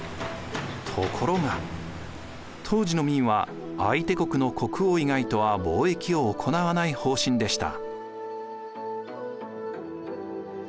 ところが当時の明は相手国の国王以外とは貿易を行わない方針でした。